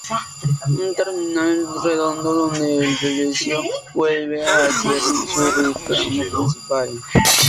Un terminal redondo donde el precio vuelve a ser su reclamo principal.